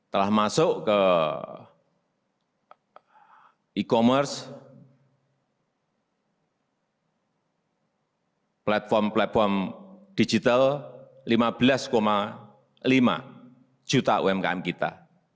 telah masuk ke e commerce platform platform digital lima belas lima juta umkm kita